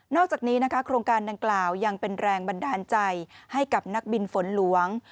อกจากนี้นะคะโครงการดังกล่าวยังเป็นแรงบันดาลใจให้กับนักบินฝนหลวง